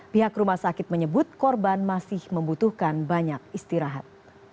pihak rumah sakit menyebut korban masih membutuhkan banyak istirahat